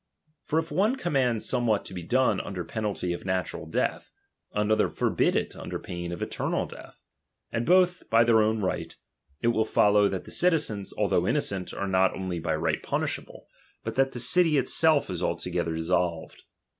For if one command some what to be done under penalty of natural death, another forbid it under pain of eternal death, and both by their own right, it will follow that the citizens, although innocent, are not only by right punishable, but that the city itself is altogether dis solved.